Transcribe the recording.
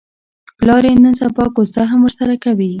پلار یې نن سبا کوزده هم ورسره کوي.